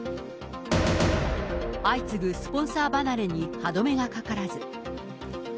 相次ぐスポンサー離れに歯止めがかからず。